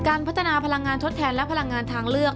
พัฒนาพลังงานทดแทนและพลังงานทางเลือก